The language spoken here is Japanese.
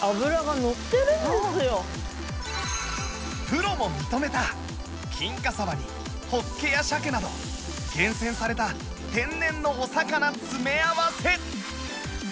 プロも認めた金華さばにほっけや鮭など厳選された天然のお魚詰め合わせ